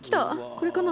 これかな？